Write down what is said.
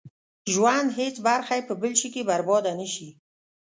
ژوند هېڅ برخه يې په بل شي کې برباده نه شي.